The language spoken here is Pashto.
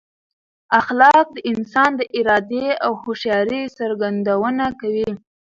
اخلاق د انسان د ارادې او هوښیارۍ څرګندونه کوي.